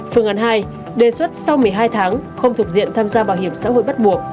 phương án hai đề xuất sau một mươi hai tháng không thuộc diện tham gia bảo hiểm xã hội bắt buộc